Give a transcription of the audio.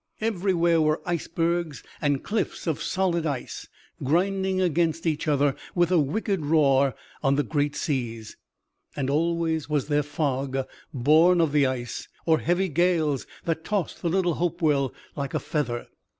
Everywhere were icebergs and cliffs of solid ice, grinding against each other with a wicked roar on the great seas, and always was there fog born of the ice, or heavy gales that tossed the little Hopewell like a feather.